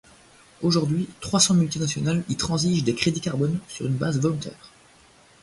Aujourd'hui, trois cents multinationales y transigent des crédits-carbone sur une base volontaire.